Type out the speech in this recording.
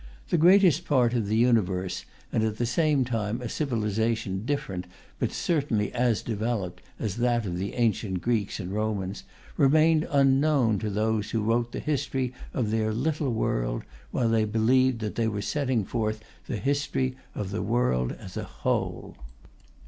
The greatest part of the universe, and at the same time a civilization different but certainly as developed as that of the ancient Greeks and Romans, remained unknown to those who wrote the history of their little world while they believed that they, were setting forth the history of the world as a whole.